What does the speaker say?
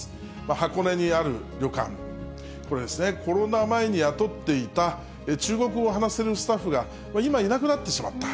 箱根にある旅館、これですね、コロナ前に雇っていた中国語を話せるスタッフが、今、いなくなってしまった。